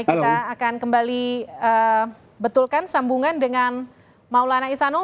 kita akan kembali betulkan sambungan dengan maulana isanul